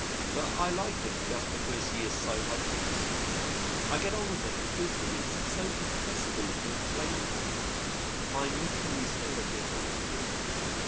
But I like him just because he is so hopeless. I get on with him because it is so impossible to reclaim him my missionary spirit is not intrigued.